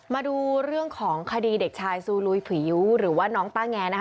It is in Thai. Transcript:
มาดูเรื่องของคดีเด็กชายซูลุยฝียิ้วหรือว่าน้องต้าแงนะคะ